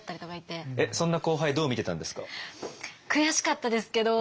えっそんな後輩どう見てたんですか？